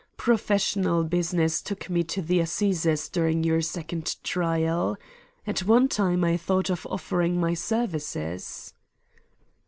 Professional business took me to the Assizes during your second trial. At one time I thought of offering my services."